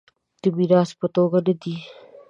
د میراث په توګه نه دی.